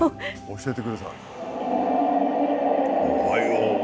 教えてください。